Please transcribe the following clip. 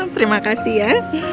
terima kasih ya